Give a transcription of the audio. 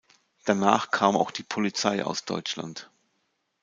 Danach kam auch die Polizei aus Deutschland.